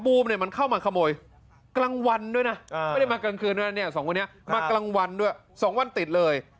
บูมเข้ามาขโมยกลางวันด้วยนะไม่ได้มากลางคืนด้วยนะสองวันติดเลย